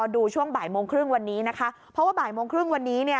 ดูช่วงบ่ายโมงครึ่งวันนี้นะคะเพราะว่าบ่ายโมงครึ่งวันนี้เนี่ย